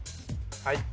はい